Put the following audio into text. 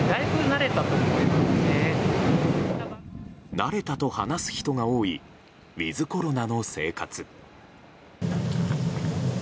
慣れたと話す人が多いウィズコロナの生活。